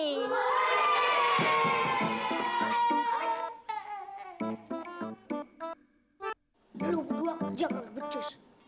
neluk luak jangan becus